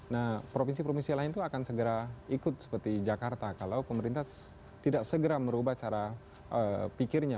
nah provinsi provinsi lain itu akan segera ikut seperti jakarta kalau pemerintah tidak segera merubah cara pikirnya